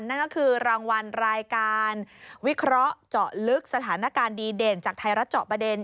นั่นก็คือรางวัลรายการวิเคราะห์เจาะลึกสถานการณ์ดีเด่นจากไทยรัฐเจาะประเด็น